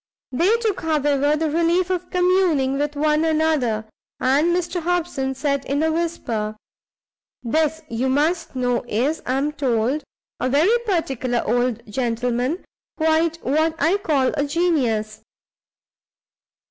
They took, however, the relief of communing with one another, and Mr Hobson said in a whisper "This, you must know, is, I am told, a very particular old gentleman; quite what I call a genius.